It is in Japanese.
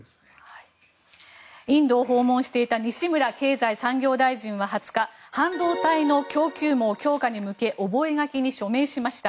インドを訪問していた西村経済産業大臣は２０日半導体の供給網強化に向け覚書に署名しました。